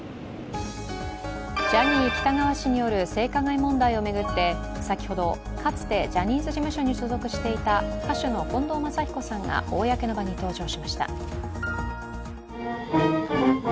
ジャニー喜多川氏による性加害問題を巡って先ほどかつてジャニーズ事務所に所属していた歌手の近藤真彦さんが公の場に登場しました。